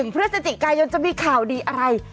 พฤศจิกายนจะมีข่าวดีอะไร